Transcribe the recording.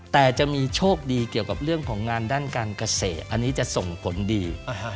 แต่จะมีโชคดีเกี่ยวกับเรื่องของงานด้านการเกษตรอันนี้จะส่งผลดี